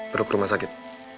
teruk rumah sakit